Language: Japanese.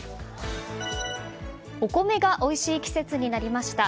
お米がおいしい季節になりました。